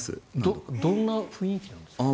どんな雰囲気なんですか？